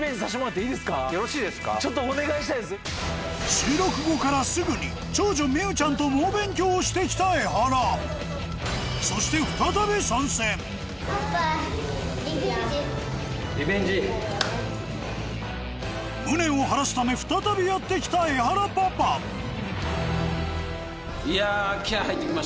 収録後からすぐにをして来たエハラそして無念を晴らすため再びやって来たエハラパパいや。